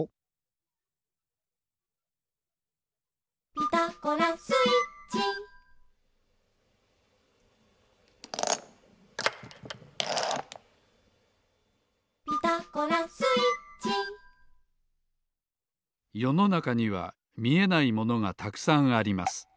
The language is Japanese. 「ピタゴラスイッチ」「ピタゴラスイッチ」よのなかにはみえないものがたくさんあります。